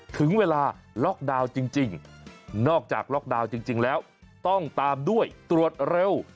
ถึงเวลาล็อกดาวน์จริงนอกจากล็อกดาวน์จริงแล้วต้องตามด้วยตรวจเร็ว